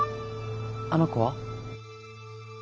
あの子は？